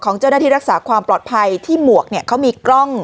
เจ้าหน้าที่รักษาความปลอดภัยที่หมวกเนี่ยเขามีกล้อง